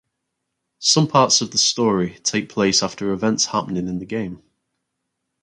Some parts of the story take place after events happening in the game.